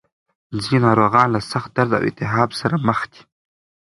ځینې ناروغان له سخت درد او التهاب سره مخ دي.